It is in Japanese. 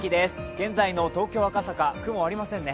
現在の東京・赤坂、雲ありませんね。